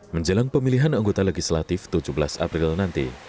menjelang pemilihan anggota legislatif tujuh belas april nanti